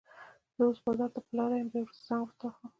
زه اوس بازار ته په لاره يم، بيا وروسته زنګ درته وهم.